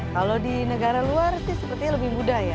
kalau di negara luar sih sepertinya lebih mudah ya